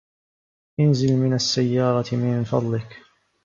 انزل من السّيّارة من فضلك.